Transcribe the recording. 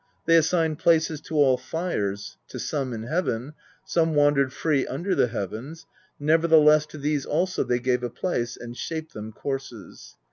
They assigned places to all fires: to some in heaven; some wandered free under the heavens; nevertheless, to these also they gave a place, and shaped them courses.